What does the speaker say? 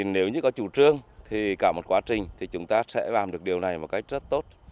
nếu như có chủ trương thì cả một quá trình thì chúng ta sẽ làm được điều này một cách rất tốt